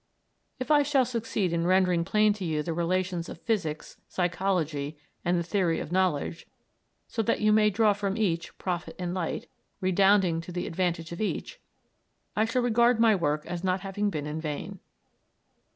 If I shall succeed in rendering plain to you the relations of physics, psychology, and the theory of knowledge, so that you may draw from each profit and light, redounding to the advantage of each, I shall regard my work as not having been in vain.